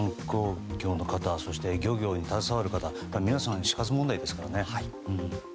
観光業の方漁業に携わる方皆さん、死活問題ですからね。